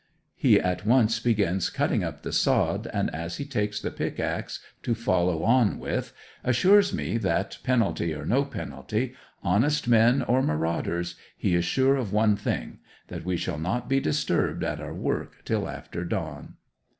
He at once begins cutting up the sod, and, as he takes the pickaxe to follow on with, assures me that, penalty or no penalty, honest men or marauders, he is sure of one thing, that we shall not be disturbed at our work till after dawn.